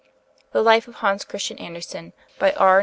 The 'Life of Hans Christian Andersen' by R.